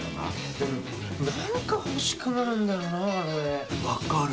でも何か欲しくなるんだよなあの絵。分かる！